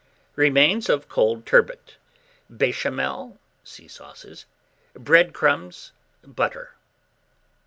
Remains of cold turbot, béchamel (see Sauces), bread crumbs, butter.